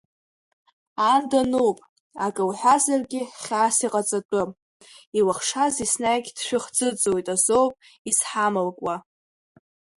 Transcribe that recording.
Ан дануп, акы лҳәазаргьы хьаас иҟаҵатәым, илыхшаз еснагь дшәыхӡыӡоит азоуп изҳамалкуа.